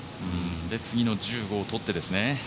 次の１５を取ってですね。